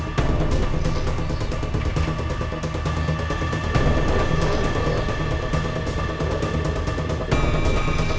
kita nggak usah perlu mengejar robby lagi